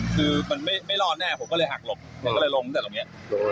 คือมันไม่รอดแน่ผมก็เลยหักหลบก็เลยลงจากตรงนี้